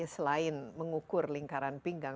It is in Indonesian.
selain mengukur lingkaran pinggang